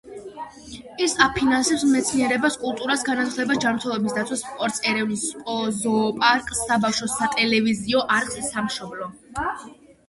ის აფინანსებს მეცნიერებას, კულტურას, განათლებას, ჯანმრთელობის დაცვას, სპორტს, ერევნის ზოოპარკს, საბავშვო სატელევიზიო არხს „სამშობლო“.